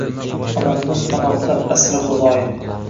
Onamni panohda asra xudoyim